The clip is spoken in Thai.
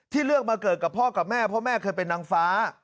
เลือกมาเกิดกับพ่อกับแม่เพราะแม่เคยเป็นนางฟ้า